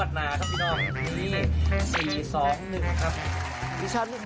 ตำรวจวันนี้